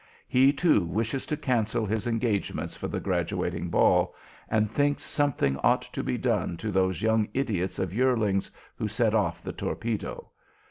He, too, wishes to cancel his engagements for the graduating ball, and thinks something ought to be done to those young idiots of yearlings who set off the torpedo.